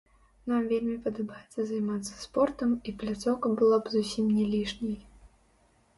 Нам вельмі падабаецца займацца спортам, і пляцоўка была б зусім не лішняй.